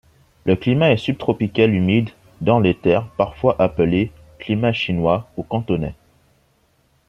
Le climat est subtropical humide dans les terres, parfois appelé climat chinois ou cantonais.